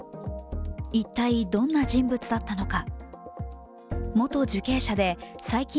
一体どんな人物だったのか。